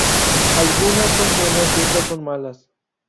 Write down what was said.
Algunas son buenas y otras son malas.